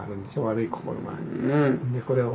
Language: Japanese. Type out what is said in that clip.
でこれを。